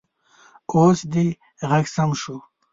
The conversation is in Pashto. اوس دې غږ سم شو